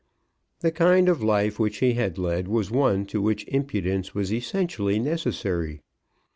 The kind of life which he had led was one to which impudence was essentially necessary.